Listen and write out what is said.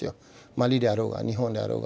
マリであろうが日本であろうが。